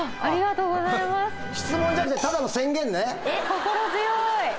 心強い！